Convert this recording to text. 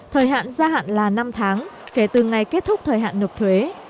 thời hạn gia hạn là năm tháng kể từ ngày kết thúc thời hạn nộp thuế